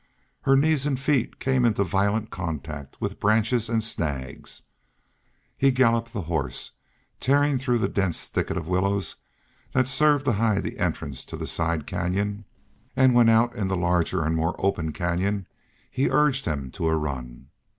Her knees and feet came into violent contact with branches and snags. He galloped the horse, tearing through the dense thicket of willows that served to hide the entrance to the side canyon, and when out in the larger and more open canyon he urged him to a run.